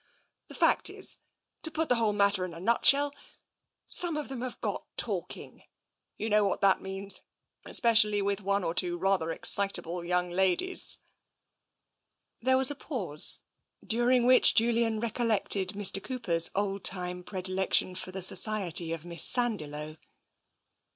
" The fact is, to put the whole matter in a nutshell, some of them have got talking. You know what that means, especially with one or two rather excitable young ladies." 246 TENSION There was a pause, during which Julian recollected Mr. Cooper's old time predilection for the society of Miss Sandiloe.